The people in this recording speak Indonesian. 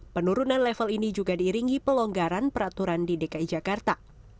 penurunan level ini juga diiringi pelonggaran peraturan di dki jakarta